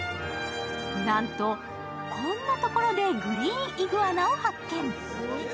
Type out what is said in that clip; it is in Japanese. なんと、こんなところでグリーンイグアナを発見。